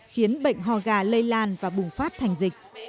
khiến bệnh ho gà lây lan và bùng phát thành dịch